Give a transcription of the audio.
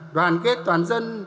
đoàn kết toàn dân